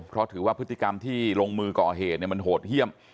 เพราะถือว่าพฤติกรรมที่ลงมือก่อเหตุมันโหดเยี่ยม